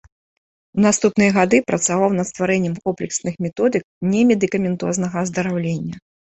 У наступныя гады працаваў над стварэннем комплексных методык немедыкаментознага аздараўлення.